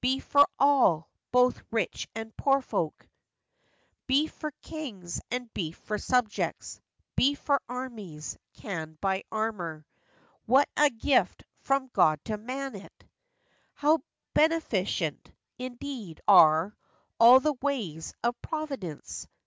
Beef for all; both rich and poor folk • 6 4 FACTS AND FANCIES. Beef for kings, and beef for subjects; Beef for armies—canned by Armour— What a gift from God to man, it ! How beneficent, indeed, are All the ways of Providence.